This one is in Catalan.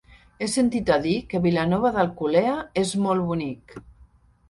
He sentit a dir que Vilanova d'Alcolea és molt bonic.